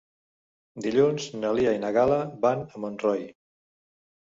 Dilluns na Lia i na Gal·la van a Montroi.